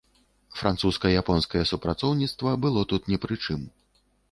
Французска-японскае супрацоўніцтва было тут не пры чым.